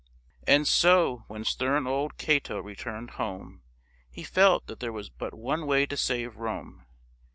And so when stern old Cato returned home he felt that there was but one way to save Rome.